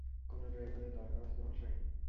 কোনো ড্রাইভারের দরকার আছে, মশাই?